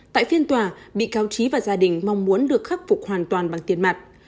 tại phiên tòa bị cáo trí và gia đình mong muốn được khắc phục hoàn toàn bằng tiền mặt